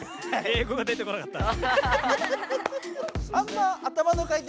英語が出てこなかった。